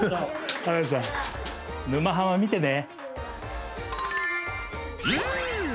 「沼ハマ」見てね！